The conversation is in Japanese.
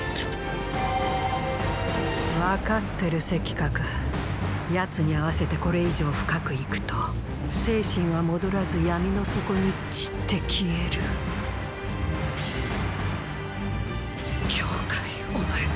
分かってる赤鶴奴に合わせてこれ以上深くいくと精神は戻らず闇の底に散って消える羌お前